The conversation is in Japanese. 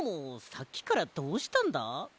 さっきからどうしたんだ？